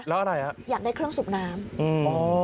แล้วอะไรฮะอยากได้เครื่องสูบน้ำอืมอ๋อ